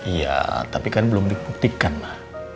iya tapi kan belum dipuktikan ma